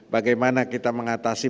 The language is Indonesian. bagaimana kita mengatasi